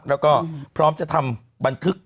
แล้วก็พร้อมจะทำบันทึก